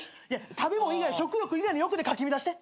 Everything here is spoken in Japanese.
食べ物以外食欲以外の欲でかき乱して。